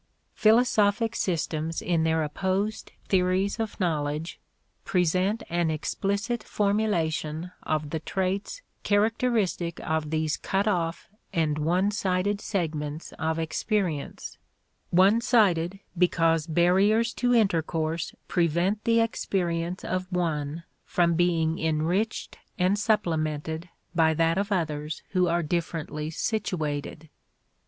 Philosophic systems in their opposed theories of knowledge present an explicit formulation of the traits characteristic of these cut off and one sided segments of experience one sided because barriers to intercourse prevent the experience of one from being enriched and supplemented by that of others who are differently situated.